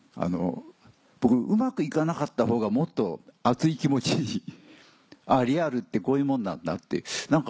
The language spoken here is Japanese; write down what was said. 僕うまく行かなかったほうがもっと熱い気持ちにリアルってこういうもんなんだって。